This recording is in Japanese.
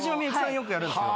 よくやるんですよ